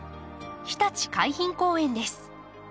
ひたち海浜公園です。